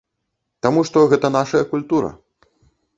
Таму што гэта нашая культура.